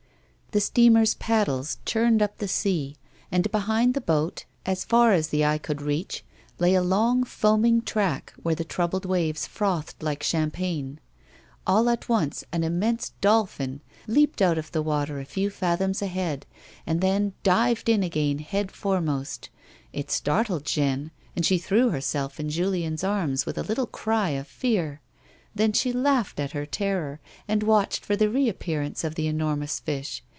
The steamer's paddles churned up the sea, and behind the boat, as far as the eje could reach, lay a long foaming track where the troubled waves frothed like cliampagne All at once an immense dolphin leapt out of the water a few fathoms ahead, and then dived in again head foremost. It startled Jeanne, and she threw herself in Julien's arms with a little cry of fear ; then she laughed at her terror, and watched for the reappearance of the enormous fish.